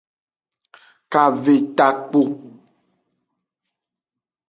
Kave takpu.